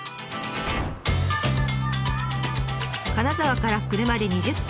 金沢から車で２０分。